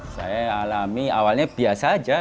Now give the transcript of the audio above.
saya alami awalnya biasa aja